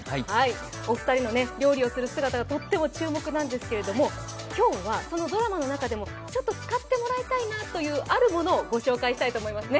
お二人の料理をする姿がとっても注目なんですけど今日はそのドラマの中でもちょっと使ってもらいたいなというあるものをご紹介したいと思います。